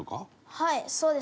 はい。